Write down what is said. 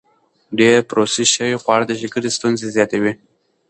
ډېر پروسس شوي خواړه د شکرې ستونزې زیاتوي.